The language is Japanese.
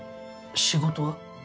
仕事は？